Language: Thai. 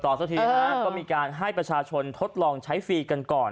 สักทีฮะก็มีการให้ประชาชนทดลองใช้ฟรีกันก่อน